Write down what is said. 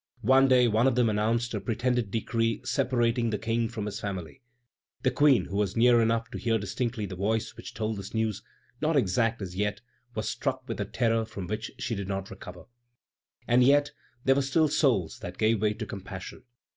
One day, one of them announced a pretended decree separating the King from his family. The Queen, who was near enough to hear distinctly the voice which told this news, not exact as yet, was struck with a terror from which she did not recover. And yet there were still souls that gave way to compassion.